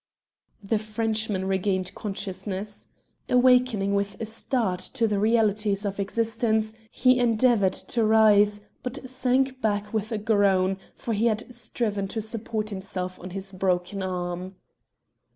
The Frenchman regained consciousness. Awakening with a start to the realities of existence, he endeavoured to rise, but sank back with a groan, for he had striven to support himself on his broken arm.